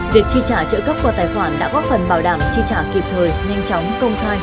việc tri trả trợ cấp qua tài khoản đã góp phần bảo đảm tri trả kịp thời nhanh chóng công thai